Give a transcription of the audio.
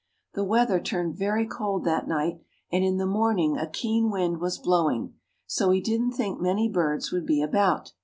The weather turned very cold that night, and in the morning a keen wind was blowing, so we didn't think many birds would be about.